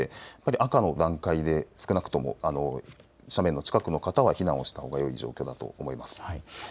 赤の段階で斜面の近くの方は少なくとも避難をしたほうがいい状況だと思います。